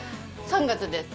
３月です。